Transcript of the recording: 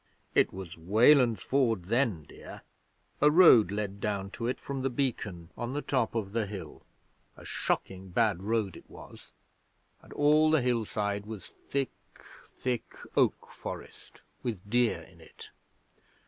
'It was Weland's Ford then, dear. A road led down to it from the Beacon on the top of the hill a shocking bad road it was and all the hillside was thick, thick oak forest, with deer in it.